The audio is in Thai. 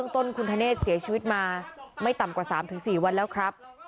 ต้นคุณธเนธเสียชีวิตมาไม่ต่ำกว่า๓๔วันแล้วครับ